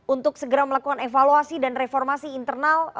untuk segera melakukan evaluasi dan reformasi internal